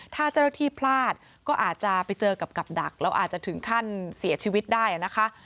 ถ้าเจ้าหน้าที่พลาดก็อาจจะไปเจอกับดักแล้วอาจจะถึงขั้นเสียชีวิตได้นะคะ